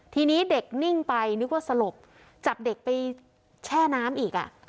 ทีนี้เด็กนิ่งไปนึกว่าสลบจับเด็กไปแช่น้ำอีกอ่ะ